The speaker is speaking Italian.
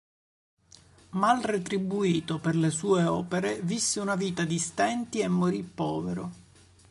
Mal retribuito per le sue opere, visse una vita di senti e morì povero.